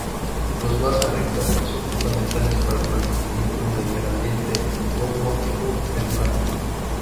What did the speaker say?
Los "vasa recta" son fundamentales para el mantenimiento del gradiente osmótico medular.